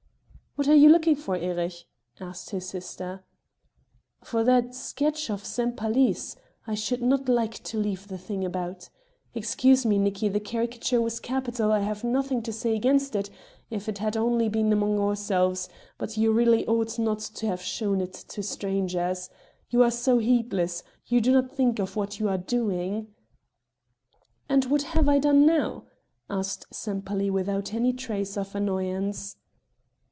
"What are you looking for, Erich?" asked his sister. "For that sketch of Sempaly's. I should not like to leave the thing about. Excuse me, Nicki, the caricature was capital, I have nothing to say against it, if it had only been among ourselves; but you really ought not to have shown it to strangers. You are so heedless, you do not think of what you are doing." "And what have I done now?" asked Sempaly without any trace of annoyance.